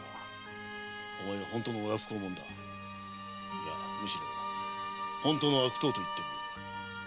いやむしろ本当の悪党といってもいい。